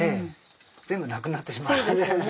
全部なくなってしまうからね。